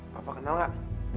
papa kenal gak